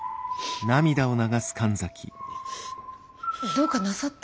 どうかなさった？